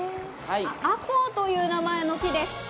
アコウという名前の木です。